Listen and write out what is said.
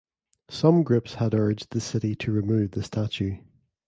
Some groups had urged the City to remove the statue.